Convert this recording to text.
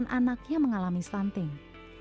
puskesmas dana u meinung